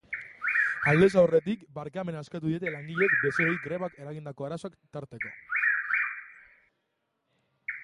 Aldez aurretik, barkamena eskatu diete langileek bezeroei grebak eragindako arazoak tarteko.